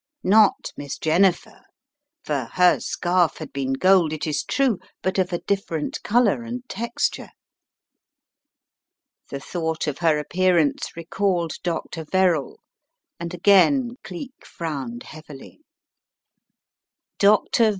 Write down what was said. Not Miss Jennifer, for her scarf had been gold, it is true, but of a different colour and texture. The thought of her appearance recalled Dr. Verrall and again Cleek frowned heavily. Dr.